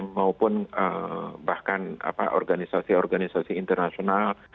maupun bahkan organisasi organisasi internasional